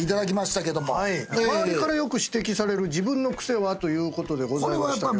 「周りからよく指摘される自分の癖は？」ということでございましたけど。